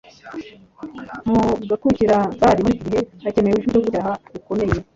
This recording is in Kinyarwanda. mugakurikira Bali Muri iki gihe hakenewe ijwi ryo gucyaha gukomeye